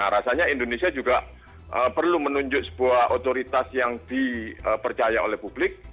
rasanya indonesia juga perlu menunjuk sebuah otoritas yang dipercaya oleh publik